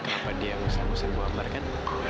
kenapa dia ngusir ngusir bu ambar kan